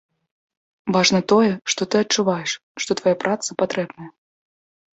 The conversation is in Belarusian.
Важна тое, што ты адчуваеш, што твая праца патрэбная.